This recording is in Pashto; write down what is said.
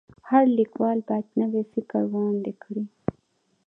هر لیکوال باید نوی فکر وړاندي کړي.